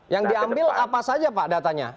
yang diambil apa saja pak datanya